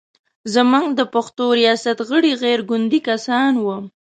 زموږ د پښتو ریاست غړي غیر ګوندي کسان و.